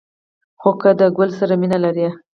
خو که د گل سره مینه لرئ